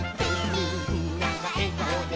「みんながえがおで」